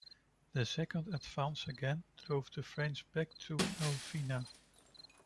The second advance again drove the French back through Elvina.